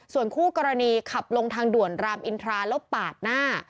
ส่วนคู่กรณีขับลงทางด่วนรามอินทราแล้วปาดหน้า